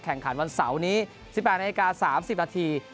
แข่งขันวันเสาร์นี้๑๘นาฬิกา๓๐นาที